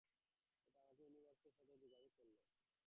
এটা আমাকে আমার ইউনিভার্সের সাথে যোগাযোগ করাতে সাহায্য করতে পারবে।